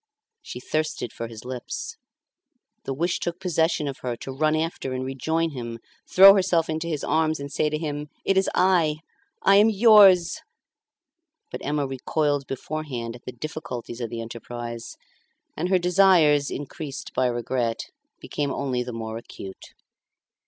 She thirsted for his lips. The wish took possession of her to run after and rejoin him, throw herself into his arms and say to him, "It is I; I am yours." But Emma recoiled beforehand at the difficulties of the enterprise, and her desires, increased by regret, became only the more acute.